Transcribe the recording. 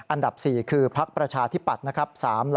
อันดับ๔คือพักประชาธิปัตย์นะครับ